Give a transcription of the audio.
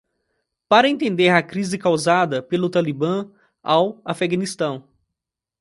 Para entender a crise causada pelo Talibã ao Afeganistão